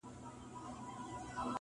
څراغه بلي لمبې وکړه-